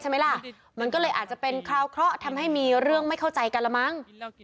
ใช่ไหมล่ะมันก็เลยอาจจะเป็นคราวเคราะห์ทำให้มีเรื่องไม่เข้าใจกันละมั้ง